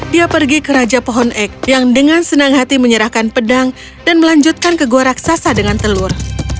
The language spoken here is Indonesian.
dia pergi ke raja pohon ek yang dengan senang hati menyerahkan pedang dan melanjutkan ke gua raksasa dengan telur